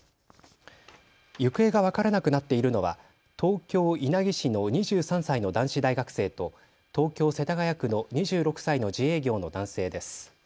行方が分からなくなっているのは東京稲城市の２３歳の男子大学生と東京世田谷区の２６歳の自営業の男性です。